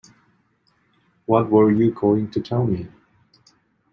What were you going to tell me?